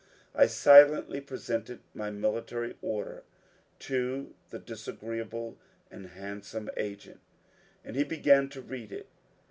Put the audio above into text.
I silently presented my military order to the disagreeable and handsome agent, and he began to read it.